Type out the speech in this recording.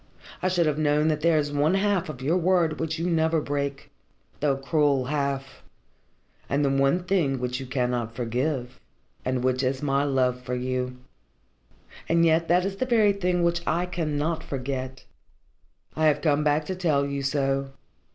I should have known that there is one half of your word which you never break the cruel half, and one thing which you cannot forgive, and which is my love for you. And yet that is the very thing which I cannot forget. I have come back to tell you so.